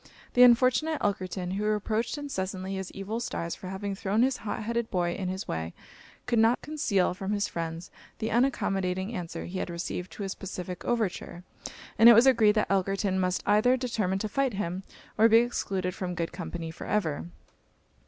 The unfortunate Elkerton, who reproached incessantly his evil stars for having thrown this hot headed boy in his way, could not conceal from his friends the unaccommodating answer he had received to his pacific overture; and it was agreed that Elkerton must either determine to fight him, or be excluded from good company for ever.